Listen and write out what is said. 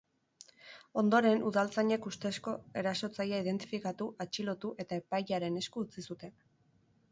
Ondoren, udaltzainek ustezko erasotzailea identifikatu, atxilotu eta epailearen esku utzi zuten.